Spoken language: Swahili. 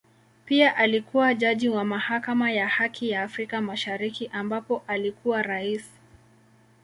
Pia alikua jaji wa Mahakama ya Haki ya Afrika Mashariki ambapo alikuwa Rais.